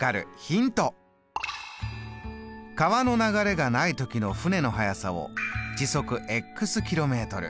川の流れがない時の舟の速さを時速ｋｍ。